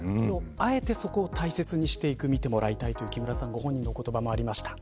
あえて、そこを大切にしていく見てもらいたいという木村さんの言葉もありました。